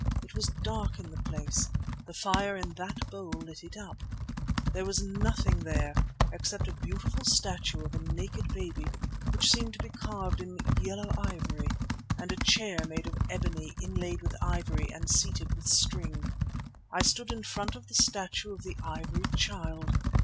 It was dark in the place, the fire in that bowl lit it up. There was nothing there except a beautiful statue of a naked baby which seemed to be carved in yellow ivory, and a chair made of ebony inlaid with ivory and seated with string. I stood in front of the statue of the Ivory Child.